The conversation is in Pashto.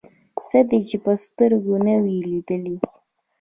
څه دې چې په سترګو نه وي لیدلي.